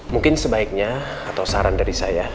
mungkin sebaiknya atau saran dari saya